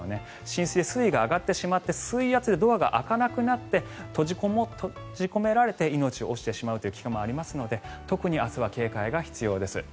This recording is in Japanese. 浸水、水位が上がってしまって水圧でドアが開かなくなって閉じ込められて命を落としてしまうという危険もありますので特に明日は警戒が必要です。